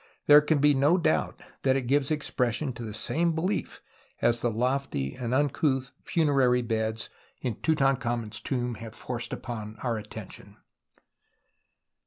There can be no doubt that it gives expression to the same belief as the lofty and uncouth funerary beds in Tutankhamen's tomb have forced upon our attention.